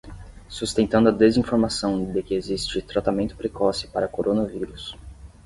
Sustentando a desinformação de que existe tratamento precoce para coronavírus